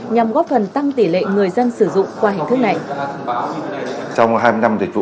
nhằm góp phần tăng tỷ lệ người dân sử dụng qua hình thức này